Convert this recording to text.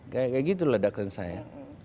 kayak gitu ledakan saya